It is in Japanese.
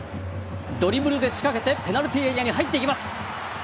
ドリブルで仕掛けてペナルティーエリアに入っていきます。